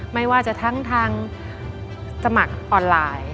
ไม่ว่าจะทั้งทางสมัครออนไลน์